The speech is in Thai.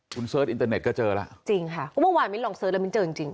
คุณเสิร์ชอินเตอร์เน็ตก็เจอแล้วจริงค่ะก็เมื่อวานมิ้นลองเสิร์ชแล้วมิ้นเจอจริงจริง